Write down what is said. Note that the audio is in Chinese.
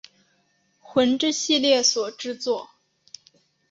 魂之系列所制作。